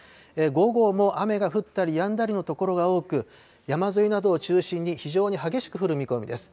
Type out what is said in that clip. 午後も雨が降ったりやんだりの所が多く、山沿いなどを中心に、非常に激しく降る見込みです。